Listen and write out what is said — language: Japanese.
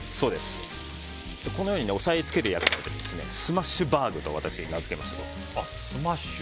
このように押さえつけるものをスマッシュバーグと私は名づけました。